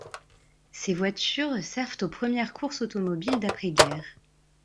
Ces voitures servent aux premières courses automobiles d’après-guerre.